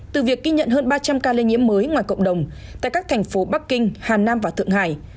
từ việc ghi nhận hơn ba trăm linh ca lây nhiễm mới ngoài cộng đồng tại các thành phố bắc kinh hà nam và thượng hải